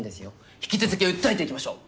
引き続き訴えていきましょう！